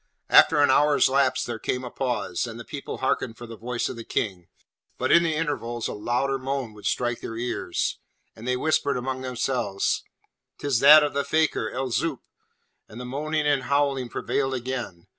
After an hour's lapse there came a pause, and the people hearkened for the voice of the King; but in the intervals a louder moan would strike their ears, and they whispered among themselves, ''Tis that of the fakir, El Zoop!' and the moaning and howling prevailed again.